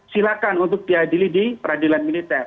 silakan untuk diadili di peradilan militer